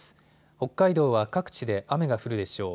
北海道は各地で雨が降るでしょう。